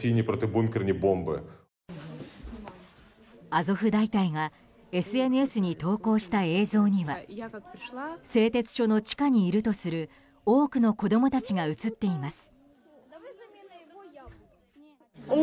アゾフ大隊がＳＮＳに投稿した映像には製鉄所の地下にいるとする多くの子供たちが映っています。